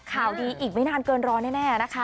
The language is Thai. ข่าวดีอีกไม่นานเกินรอแน่นะคะ